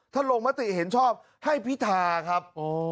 ท่านโรงมะติเห็นชอบให้พิธาครับ